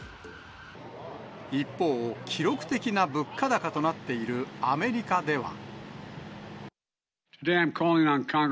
一方、記録的な物価高となっているアメリカでは。